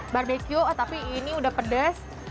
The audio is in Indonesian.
barbeque oh tapi ini udah pedas